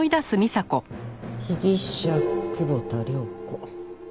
「被疑者久保田涼子」。